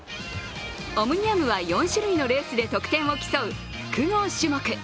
オムニアムは４種類のレースで得点を競う複合種目。